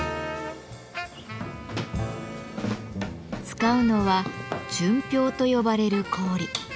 使うのは「純氷」と呼ばれる氷。